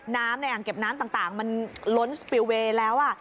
ในอ่างเก็บน้ำต่างมันล้นสปิลเวย์แล้ว